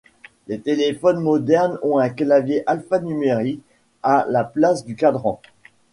Les téléphones modernes ont un clavier alphanumérique à la place du cadran.